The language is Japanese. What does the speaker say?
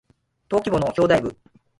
登記簿の表題部